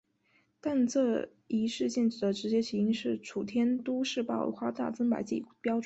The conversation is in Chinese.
但这一事件的直接起因是楚天都市报夸大增白剂标准。